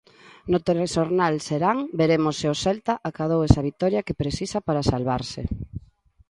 No Telexornal Serán veremos se o Celta acadou esa vitoria que precisa para salvarse.